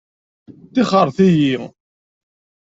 Tixxṛet-iyi!